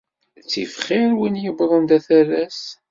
Tif xir win yewwḍen d aterras.